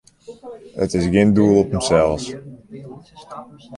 It is gjin doel op himsels.